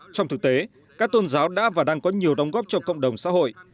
trong thực tế các tôn giáo đã và đang có nhiều đóng góp cho cộng đồng xã hội